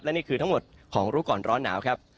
นี่คือทั้งหมดของรู้ก่อนร้อนหนาวครับ